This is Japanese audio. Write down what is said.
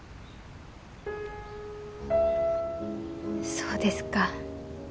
そうですか。